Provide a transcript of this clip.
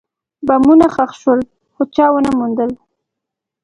بمونه ښخ شول، خو چا ونه موندل.